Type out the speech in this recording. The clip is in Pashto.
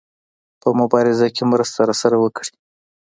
په مبارزه کې مرسته راسره وکړي.